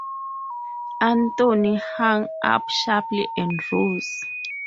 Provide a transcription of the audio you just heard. Anthony hung up sharply and rose.